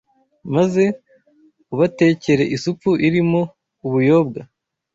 maze ubatekere isupu irimo ubuyobwa